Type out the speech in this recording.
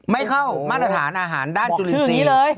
ไม่เข้ามาตรฐานอาหารด้านจุลินทรีย์